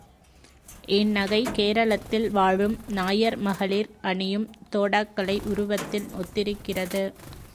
இந் நகை கேரளத்தில் வாழும் நாயர் மகளிர் அணியும் தோடாக்களை உருவத்தில் ஒத்திருக்கிறது.